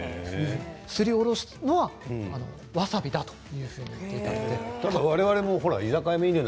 すりおろすのはわさびだというふうにおっしゃっていました。